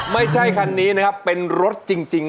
ไม่ใช่คันนี้นะครับเป็นรถจริง